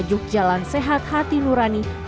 jalan sehat hati nurani